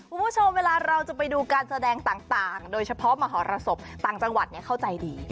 คุณผู้ชมเวลาเราจะไปดูการแสดงต่างโดยเฉพาะมหรสบต่างจังหวัดเข้าใจดี